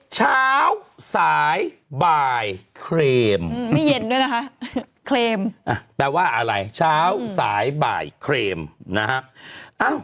เช้าสายบ่ายเครมไม่เย็นด้วยนะคะเคลมแปลว่าอะไรเช้าสายบ่ายเครมนะฮะ